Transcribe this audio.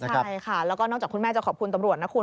ใช่ค่ะแล้วก็นอกจากคุณแม่จะขอบคุณตำรวจนะคุณ